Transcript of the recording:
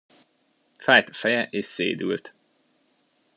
Fájt a feje és szédült.